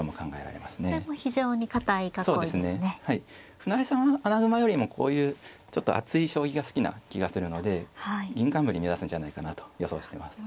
船江さんは穴熊よりもこういうちょっと厚い将棋が好きな気がするので銀冠目指すんじゃないかなと予想してます。